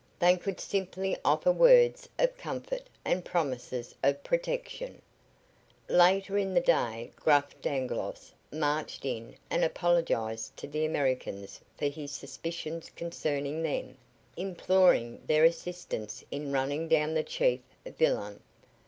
They could simply offer words of comfort and promises of protection. Later in the day gruff Dangloss marched in and apologized to the Americans for his suspicions concerning them, imploring their assistance in running down the chief villain.